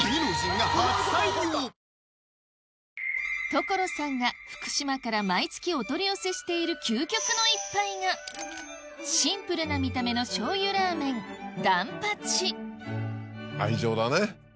所さんが福島から毎月お取り寄せしているシンプルな見た目の醤油ラーメン愛情だね。